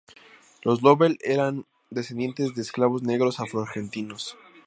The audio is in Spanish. Los Lovell eran descendientes de esclavos negros Afro-Argentinos.